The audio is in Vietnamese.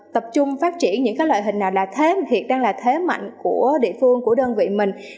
tập trung phát triển những loại hình nào là thế hiện đang là thế mạnh của địa phương của đơn vị mình